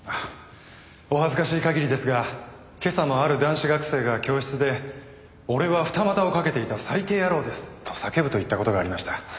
お恥ずかしい限りですが今朝もある男子学生が教室で「俺は二股をかけていた最低野郎です」と叫ぶといった事がありました。